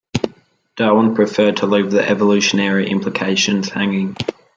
Darwin preferred to leave the evolutionary implications hanging.